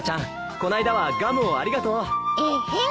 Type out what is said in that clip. この間はガムをありがとう。エッヘン。